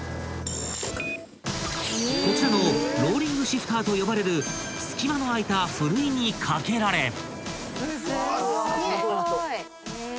［こちらのローリングシフターと呼ばれる隙間のあいたふるいにかけられ］